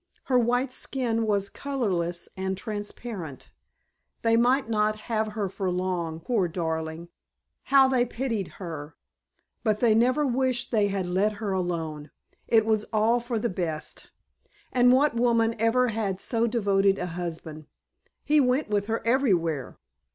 Her white skin was colorless and transparent. They might not have her for long, poor darling! How they pitied her! But they never wished they had let her alone. It was all for the best. And what woman ever had so devoted a husband? He went with her everywhere.